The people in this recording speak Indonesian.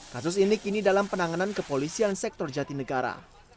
kasus indik ini dalam penanganan kepolisian sektor jati negara